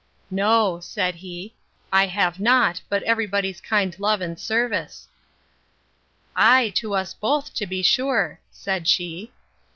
No, said he, I have not, but every body's kind love and service. Ay, to us both, to be sure, said she.